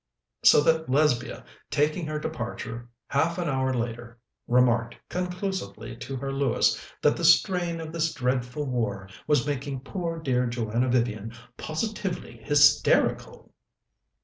So that Lesbia, taking her departure half an hour later, remarked conclusively to her Lewis that the strain of this dreadful war was making poor dear Joanna Vivian positively hysterical.